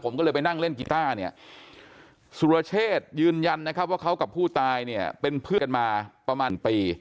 ผมก็เลยไปนั่งเล่นกีต้าเนี่ยสุรเชษยืนยันนะครับว่าเขากับผู้ตายเนี่ยเป็นเพื่อนมาประมาณปี